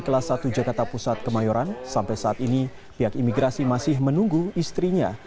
kelas satu jakarta pusat kemayoran sampai saat ini pihak imigrasi masih menunggu istrinya